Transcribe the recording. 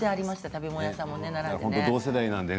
食べ物屋さんも並んで。